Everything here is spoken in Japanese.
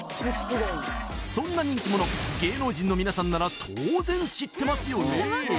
そんな人気者芸能人のみなさんなら当然知ってますよね？